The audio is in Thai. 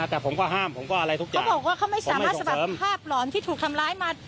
ทุกอย่างเขาพูดว่าเขาไม่สามารถสมัครภาพหลอนที่ถูกทำล้ายมา